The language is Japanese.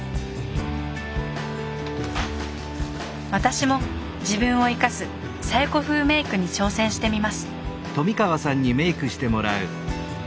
私も自分を生かす小夜子風メイクに挑戦してみます